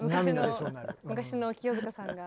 昔の清塚さんが。